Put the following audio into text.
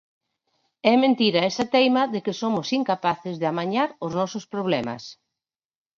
É mentira esa teima de que somos incapaces de amañar os nosos problemas.